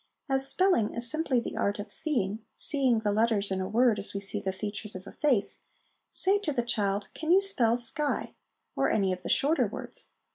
As spelling is simply the art of seeing, seeing the letters in a word as we see the features of a face say to the child, ' Can you spell sky ?' or any of the shorter words.